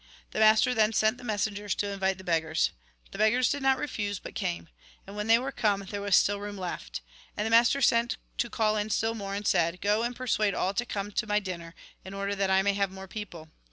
The master then sent the messengers to invite the beggars. The beggars did not refuse, but came. And when they were come, there was still room left. And the master sent to call in still more, and said :' Go and persuade all to come to my dinner, in order that I may have more people.'